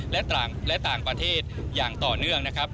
และต่างประเทศอย่างต่อเนื่องนะครับ